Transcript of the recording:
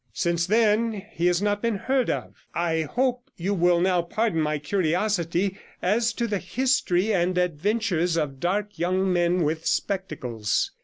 Since then he has not been heard of. I hope you will now pardon my curiosity as to the history and adventures of dark young men with spectacles.